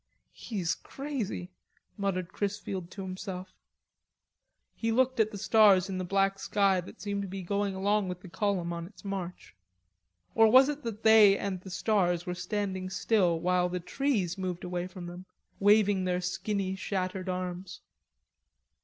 "He's crazy," muttered Chrisfield to himself. He looked at the stars in the black sky that seemed to be going along with the column on its march. Or was it that they and the stars were standing still while the trees moved away from them, waving their skinny shattered arms?